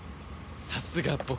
さすが僕。